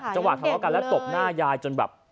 ทะเลาะกันแล้วตบหน้ายายจนแบบ